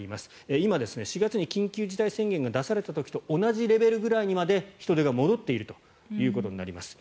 今、４月に緊急事態宣言が出された時と同じぐらいにまで人出が戻っているということになります。